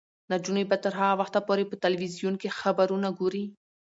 نجونې به تر هغه وخته پورې په تلویزیون کې خبرونه ګوري.